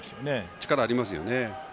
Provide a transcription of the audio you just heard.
力はありますよね。